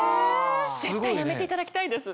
絶対やめていただきたいんです。